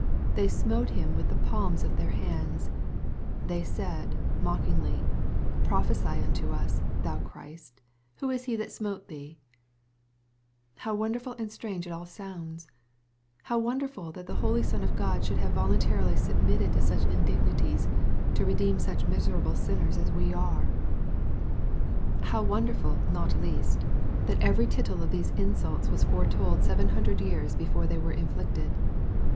"They smote him with the palms of their hands." They said, mockingly, "Prophesy unto us, thou Christ, who is he that smote thee ?") How wonderful and strange it all sounds ! How won derful that the Holy Son of God should have voluntarily submitted to such indignities, to redeem such miserable sinners as we are 1 How wonderful, not least, that every tittle of these insults was foretold seven hundred years I 374 EXPOSITOBY THOUGHTS. before they were inflicted